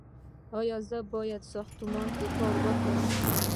ایا زه باید په ساختمان کې کار وکړم؟